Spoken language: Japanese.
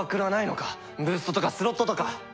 ブーストとかスロットとか！